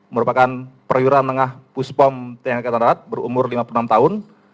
merupakan periuran tengah puspom tni tnr berumur lima puluh enam tahun